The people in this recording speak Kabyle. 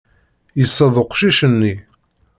Yesseḍ uqcic-nni.